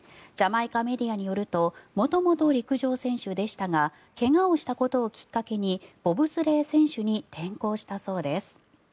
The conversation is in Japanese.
ジャマイカメディアによると元々、陸上選手でしたが怪我をしたことをきっかけにボブスレー選手に転向したそうです。